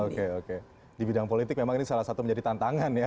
oke oke di bidang politik memang ini salah satu menjadi tantangan ya